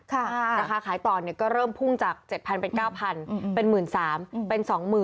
ราคาขายต่อก็เริ่มพุ่งจาก๗๐๐เป็น๙๐๐เป็น๑๓๐๐เป็น๒๐๐๐